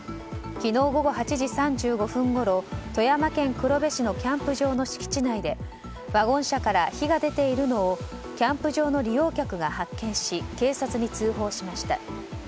昨日午後８時３５分ごろ富山県黒部市のキャンプ場の敷地内でワゴン車から火が出ているのをキャンプ場の利用客が発見し警察に通報しました。